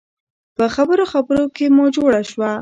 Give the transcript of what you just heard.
په خبرو خبرو کې مو جوړه شوه.